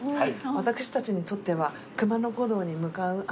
私たちにとっては熊野古道に向かうあの舟。